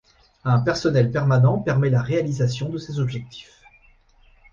Un personnel permanent permet la réalisation de ces objectifs.